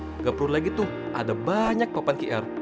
tidak perlu lagi tuh ada banyak papan qr